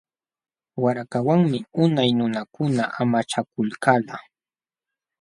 Warakawanmi unay nunakuna amachakulkalqa.